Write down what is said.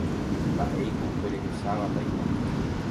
Mba'éiko upe rehecháva taita